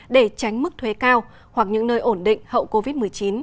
để tránh mức thuế cao hoặc những nơi ổn định hậu covid một mươi chín